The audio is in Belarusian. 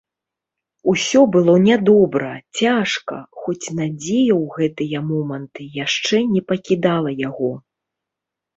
Усё было нядобра, цяжка, хоць надзея ў гэтыя моманты яшчэ не пакідала яго.